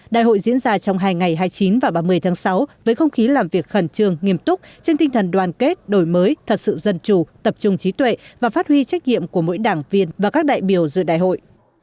đại hội diễn ra trong hai ngày hai mươi chín và ba mươi tháng sáu với không khí làm việc khẩn trương nghiêm túc trên tinh thần đoàn kết đổi mới thật sự dân chủ tập trung trí tuệ và phát huy trách nhiệm của mỗi đảng viên và các đại biểu dự đại hội